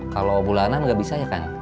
kalau bulanan nggak bisa ya kan